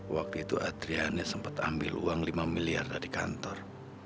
waktu itu adriannya sempat ambil uang lima miliar dari kantor